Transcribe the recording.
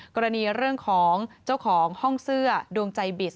กรณีเรื่องของเจ้าของห้องเสื้อดวงใจบิด